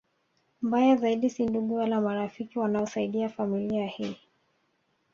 Mbaya zaidi si ndugu wala marafiki wanaoisaidia familia hii